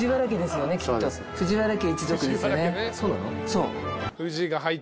そう。